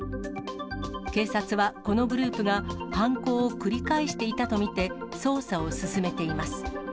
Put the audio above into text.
警察はこのグループが犯行を繰り返していたと見て捜査を進めています。